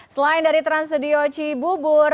selain dari trans studio cibubur